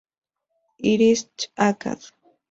Irish Acad.